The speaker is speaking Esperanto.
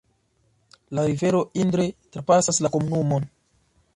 La rivero Indre trapasas la komunumon.